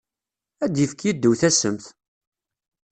Ad d-yefk yiddew tassemt!